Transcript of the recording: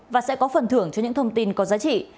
và sẽ có phần thưởng cho những thông tin có giá trị